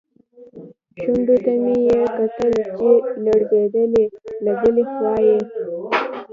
شونډو ته مې یې کتل چې لړزېدلې، له بلې خوا یې.